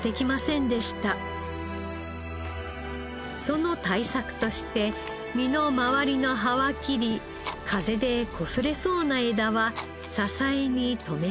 その対策として実の周りの葉は切り風でこすれそうな枝は支えに止めました。